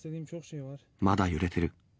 まだ揺れてる。